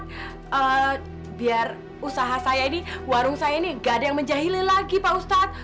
tapi biar usaha saya ini warung saya ini gak ada yang menjahili lagi pak ustadz